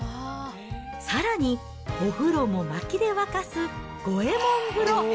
さらに、お風呂もまきで沸かす五右衛門風呂。